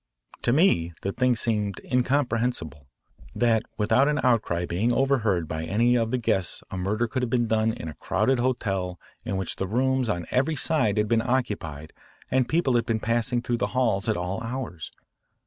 To me the thing seemed incomprehensible, that without an outcry being overheard by any of the guests a murder could have been done in a crowded hotel in which the rooms on every side had been occupied and people had been passing through the halls at all hours.